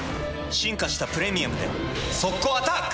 進化した「プレミアム」で速攻アタック！